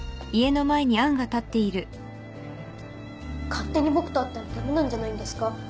勝手に僕と会ったら駄目なんじゃないんですか？